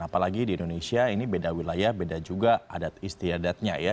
apalagi di indonesia ini beda wilayah beda juga adat istiadatnya ya